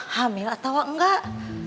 hamil atau enggak